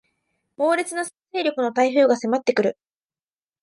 猛烈な勢力の台風が迫ってくる